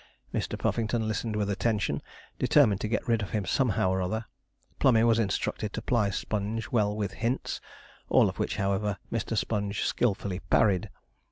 Mr. Puffington listened with attention, determined to get rid of him somehow or other. Plummey was instructed to ply Sponge well with hints, all of which, however, Mr. Sponge skilfully parried.